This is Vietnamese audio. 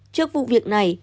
trước vụ việc này